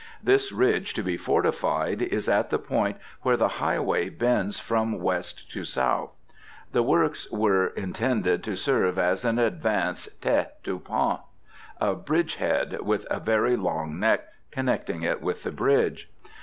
This ridge to be fortified is at the point where the highway bends from west to south. The works were intended to serve as an advanced tête du pont, a bridge head, with a very long neck connecting it with the bridge.